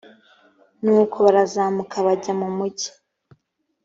nuko barazamuka bajya mu mugi